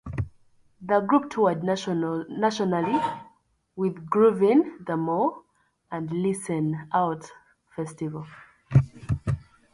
The group toured nationally with Groovin The Moo and Listen Out (festival).